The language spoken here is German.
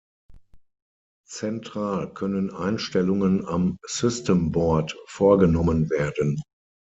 Zentral können Einstellungen am System-Board vorgenommen werden.